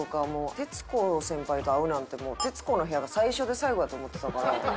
徹子先輩と会うなんてもう『徹子の部屋』が最初で最後やと思ってたから。